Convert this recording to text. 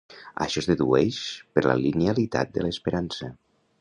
Això es dedueix per la linealitat de l'esperança